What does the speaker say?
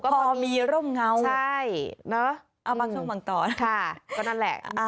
พอมีร่มเงาใช่เนอะเอาบางช่วงบางตอนค่ะก็นั่นแหละ